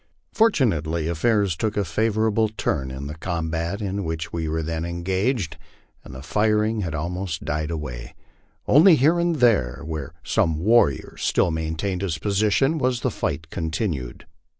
Fortunately, affairs took a favorable turn in the combat in which we LIFE ON THE PLAINS. 167 were then engaged, and the firing had almost died away. Onfy here and there where some warrior still maintained his position was the fight continued.